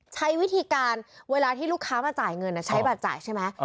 ใช้วิธีการเวลาที่ลูกค้ามาจ่ายเงินใช้บัตรจ่ายใช่ไหม